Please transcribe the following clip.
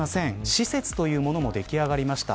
施設というものもでき上がりました。